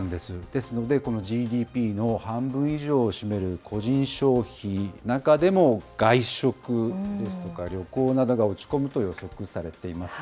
ですので、このＧＤＰの半分以上を占める個人消費、中でも外食ですとか、旅行などが落ち込むと予測されています。